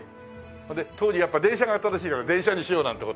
当時やっぱ電車が新しいから電車にしようなんて事。